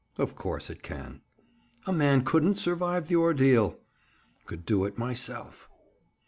"Of course, it can." "A man couldn't survive the ordeal." "Could do it myself."